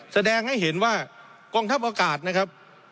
แสดงให้เห็นว่ากองทัพอากาศนะครับ